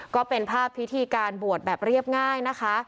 ก็เป็นภาพพิธีการบวชแบบเรียบง่ายนะคะ